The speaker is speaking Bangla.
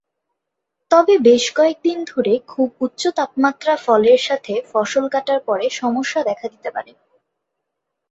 তবে বেশ কয়েক দিন ধরে খুব উচ্চ তাপমাত্রা ফলের সাথে ফসল কাটার পরে সমস্যা দেখা দিতে পারে।